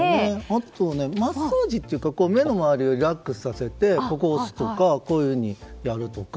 あとはマッサージというか目の周りをリラックスさせて押すとかこういうふうにやるとか。